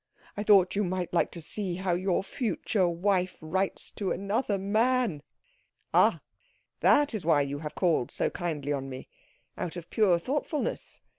I thought you might like to see how your future wife writes to another man." "Ah that is why you have called so kindly on me? Out of pure thoughtfulness.